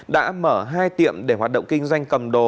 đã mở hai tiệm để hoạt động kinh doanh cầm đồ